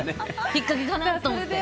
引っかけかなと思って。